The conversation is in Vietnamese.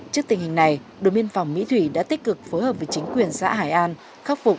trước tình hình này đội biên phòng mỹ thủy đã tích cực phối hợp với chính quyền xã hải an khắc phục